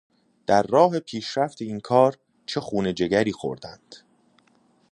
در راه پیشرفت این کار چه خون جگری خوردند.